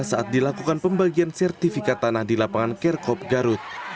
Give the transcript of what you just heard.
saat dilakukan pembagian sertifikat tanah di lapangan kerkop garut